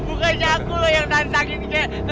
bukannya aku yang nantangin kek